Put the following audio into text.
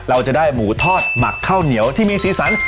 เราจะได้หมูทอดหมักข้าวเหนียวที่มีสีสัน